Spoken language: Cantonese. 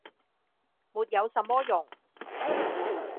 “沒有什麼用。”